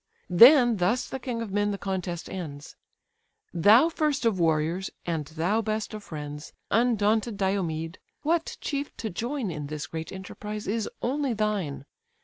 Then thus the king of men the contest ends: "Thou first of warriors, and thou best of friends, Undaunted Diomed! what chief to join In this great enterprise, is only thine.